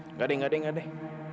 enggak deh enggak deh enggak deh